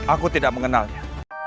aku tidak mengenalnya